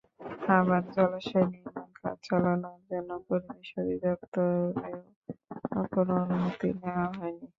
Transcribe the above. আবার জলাশয়ে নির্মাণকাজ চালানোর জন্য পরিবেশ অধিদপ্তরেরও কোনো অনুমতি নেওয়া হয়নি।